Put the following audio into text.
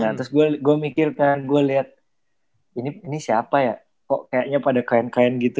nah terus gue mikir kan gue liat ini siapa ya kok kayaknya pada keren keren gitu